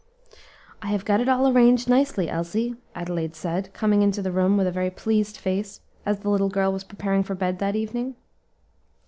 "I have got it all arranged nicely, Elsie," Adelaide said, coming into the room with a very pleased face as the little girl was preparing for bed that evening.